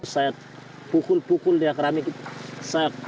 saya pukul pukul dia keramik